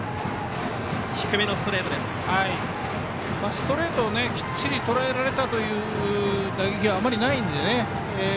ストレートをきっちりとらえられたという打撃があまりないのでね。